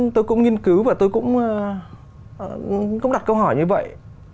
tôi cũng nghiên cứu và tôi cũng đặt câu hỏi như vậy